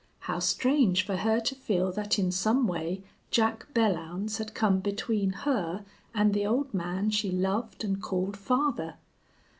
How strange for her to feel that in some way Jack Belllounds had come between her and the old man she loved and called father!